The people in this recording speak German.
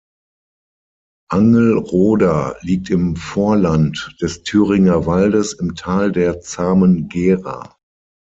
Angelroda liegt im Vorland des Thüringer Waldes im Tal der Zahmen Gera.